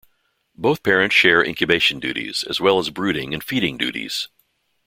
Both parents share incubation duties, as well as brooding and feeding duties.